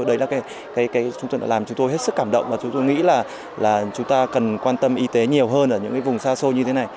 đấy là cái chúng tôi đã làm chúng tôi hết sức cảm động và chúng tôi nghĩ là chúng ta cần quan tâm y tế nhiều hơn ở những vùng xa xôi như thế này